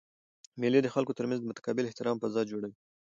مېلې د خلکو ترمنځ د متقابل احترام فضا جوړوي.